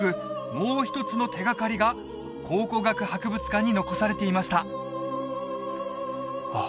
もう一つの手がかりが考古学博物館に残されていましたあっ